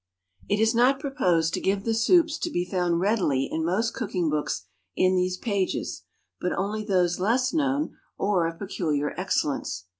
It is not proposed to give the soups to be found readily in most cooking books in these pages, but only those less known or of peculiar excellence.